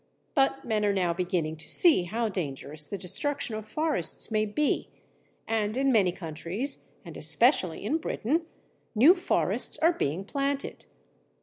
But men are now beginning to see how dangerous the destruction of forests may be, and in many countries and especially in Britain, new forests are being planted.